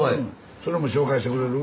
それも紹介してくれる？